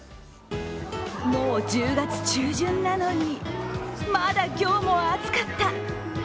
もう１０月中旬なのにまだ今日も暑かった！